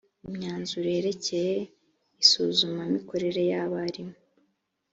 imyanzuro yerekeye isuzumamikorere ry abarimu